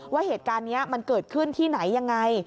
ว่าเหตุการณ์นี้มันเกิดขึ้นที่ไหนยังไง